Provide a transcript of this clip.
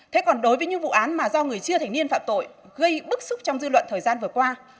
thế còn đối với những vụ án mà do người chưa thành niên phạm tội gây bức xúc trong dư luận thời gian vừa qua